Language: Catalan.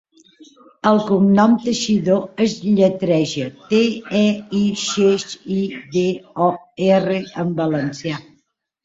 El cognom 'Teixidor' es lletreja te, e, i, xeix, i, de, o, erre en valencià.